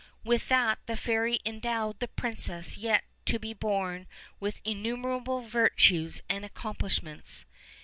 With that the fairy endowed the princess yet to be born with innumerable virtues and accomplishments.